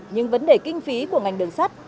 nhưng vấn đề kinh phí của ngành đường sắt